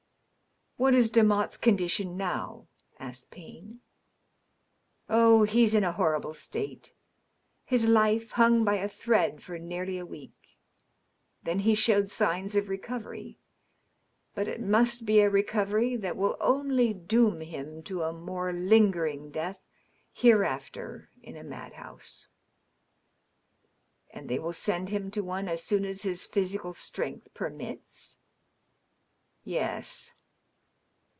What is Demotte's condition now ?" asked Payne. ^' Oh, he's in a horrible state. His life hung by a thread for nearly a week. Then he showed signs of recovery. But it must be a recovery that will only doom him to a more lingering death hereafter in a mad house." " And they will send him to one as soon as his physical strength permits?" "Yes."